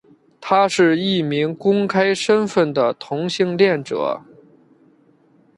他是一名公开身份的同性恋者。